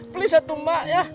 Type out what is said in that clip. please ya tuh mbak ya